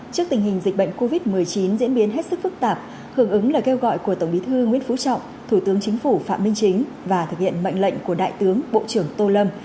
trước tình hình dịch bệnh covid một mươi chín diễn biến hết sức phức tạp hưởng ứng lời kêu gọi của tổng bí thư nguyễn phú trọng thủ tướng chính phủ phạm minh chính và thực hiện mệnh lệnh của đại tướng bộ trưởng tô lâm